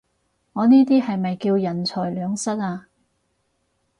我呢啲係咪叫人財兩失啊？